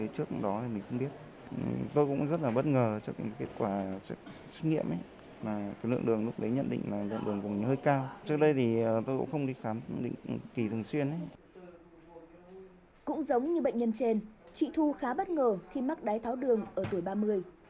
cũng giống như bệnh nhân trên chị thu khá bất ngờ khi mắc đái tháo đường ở tuổi ba mươi